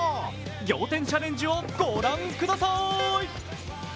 仰天チャレンジをご覧ください。